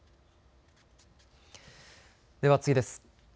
では次です。